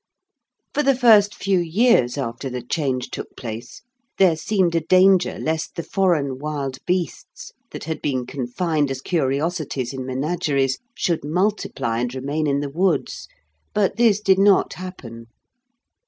For the first few years after the change took place there seemed a danger lest the foreign wild beasts that had been confined as curiosities in menageries should multiply and remain in the woods. But this did not happen.